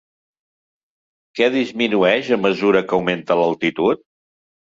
Què disminueix a mesura que augmenta l'altitud?